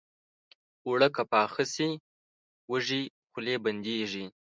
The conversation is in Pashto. اوړه که پاخه شي، وږې خولې بندېږي